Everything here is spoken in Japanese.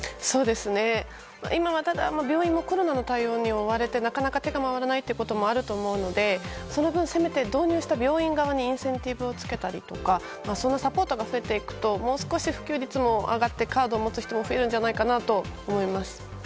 今は病院もコロナの対応に追われて、なかなか手が回らないこともあると思うのでその分、導入した病院にインセンティブをつけたりとかそのサポートが増えていくともう少し普及率も上がって、カードを持つ人も増えるんじゃないかと思います。